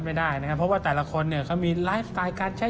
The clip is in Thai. ไม่ได้นะครับเพราะว่าแต่ละคนเนี่ยเขามีไลฟ์สไตล์การใช้